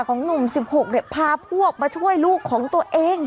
ของหนุ่ม๑๖พาพวกมาช่วยลูกของตัวเอง